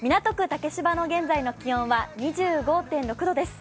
竹芝の現在の気温は２５．６度です。